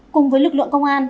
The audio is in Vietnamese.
cùng với lực lượng công an